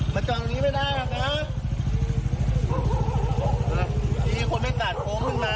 มาจอดนนี้ไม่ได้หรอกนะ